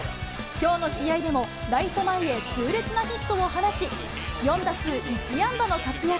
きょうの試合でも、ライト前へ痛烈なヒットを放ち、４打数１安打の活躍。